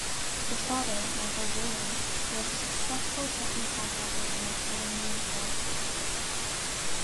His father, Michael Whalen, was a successful trucking contractor and a Tammany Hall supporter.